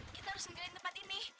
kita harus ngegalin tempat ini